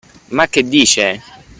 Ma che dice!